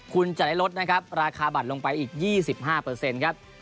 คุณจะได้ลดนะครับราคาบัตรลงไปอีก๒๕ครับ